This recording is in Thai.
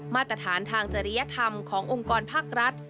มาตรฐานทางจริยธรรมขององค์กรภาครัฐ